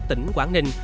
tỉnh quảng ninh